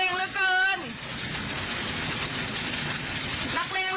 เรียกประกันมาเคลียร์